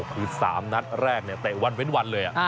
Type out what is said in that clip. คือ๓นัดแรกเตะวันเว้นวันเลย